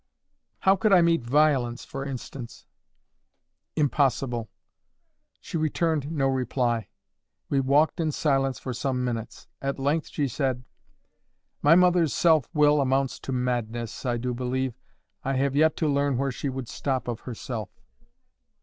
"How could I meet VIOLENCE, for instance?" "Impossible!" She returned no reply. We walked in silence for some minutes. At length she said, "My mother's self will amounts to madness, I do believe. I have yet to learn where she would stop of herself."